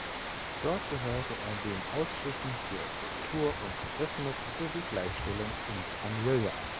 Dort gehörte er den Ausschüssen für Kultur und Tourismus sowie Gleichstellung und Familie an.